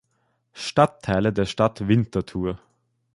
Stadtteile der Stadt Winterthur